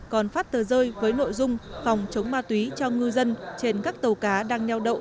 còn phát tờ rơi với nội dung phòng chống ma túy cho ngư dân trên các tàu cá đang neo đậu